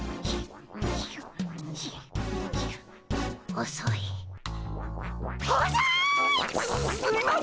おそいっ！